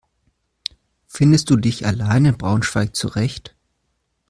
Findest du dich allein in Braunschweig zurecht?